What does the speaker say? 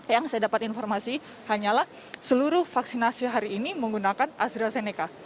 yang saya dapat informasi hanyalah seluruh vaksinasi hari ini menggunakan astrazeneca